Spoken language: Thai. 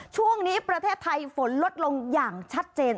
ช่วงนี้ประเทศไทยฝนลดลงอย่างชัดเจน